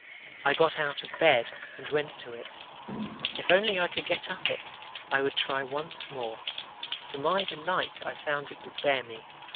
I got out of bed and went to it. If I could only get up it! I would try once more. To my delight I found it would bear me.